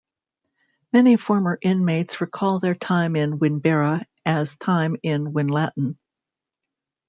Many former inmates recall their time in Winbirra as time in Winlaton.